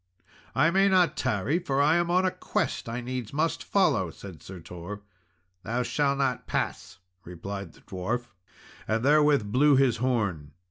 "I may not tarry, for I am on a quest I needs must follow," said Sir Tor. "Thou shalt not pass," replied the dwarf, and therewith blew his horn.